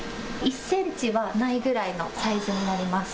１センチないぐらいのサイズになります。